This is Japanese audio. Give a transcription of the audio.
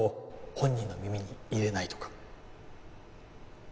本人の耳に入れないとか